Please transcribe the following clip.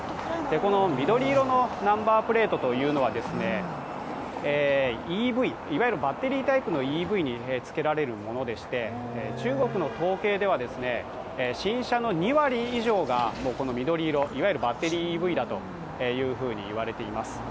この緑色のナンバープレートというのはＥＶ、いわゆるバッテリータイプのＥＶにつけられるものでして中国の統計では新車の２割以上がこの緑色いわゆるバッテリーＥＶだというふうに言われています。